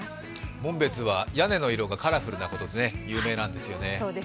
紋別は屋根の色がカラフルなことで有名なんですよね。